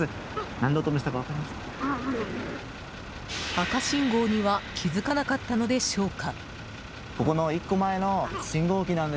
赤信号には気付かなかったのでしょうか。